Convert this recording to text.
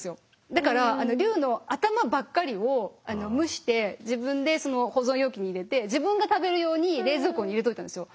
だから龍の頭ばっかりを蒸して自分で保存容器に入れて自分が食べる用に冷蔵庫に入れといたんですよ。